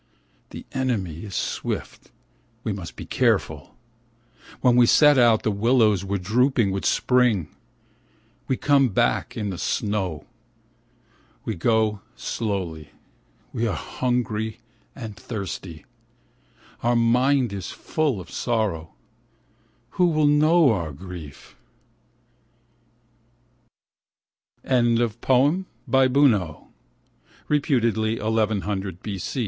The enemy is swift, we must be careful. When we set out, the willows were drooping with spring, We come back in the snow, We go slowly, we are hungry and thirsty, Our mind is full of sorrow, who will know of our grief ? By Bunno. Very early.